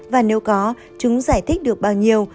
và nếu có chúng giải thích được bao nhiêu